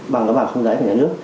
bằng các bảng không giá của nhà nước